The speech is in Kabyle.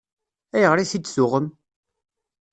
Ayɣer i t-id-tuɣem?